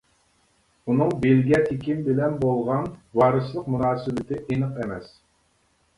ئۇنىڭ بىلگە تىكىن بىلەن بولغان ۋارىسلىق مۇناسىۋىتى ئېنىق ئەمەس.